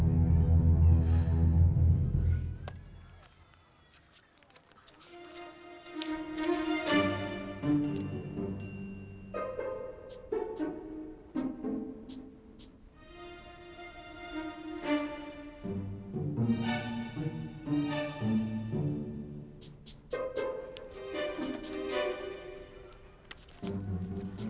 kau gesprochen bahasa dalamnya kok